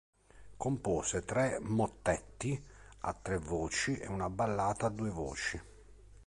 Compose tre mottetti a tre voci e una ballata a due voci.